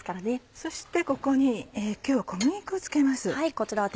そしてここに今日は小麦粉を付けます。